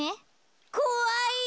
こわい。